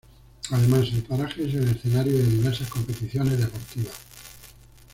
Además, el paraje es el escenario de diversas competiciones deportivas.